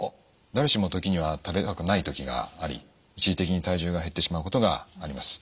誰しも時には食べたくない時があり一時的に体重が減ってしまうことがあります。